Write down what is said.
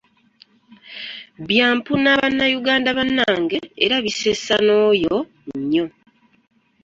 “Byampuna Bannayuganda bannange era bisesa nnoyo nnyo"